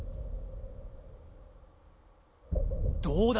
どうだ？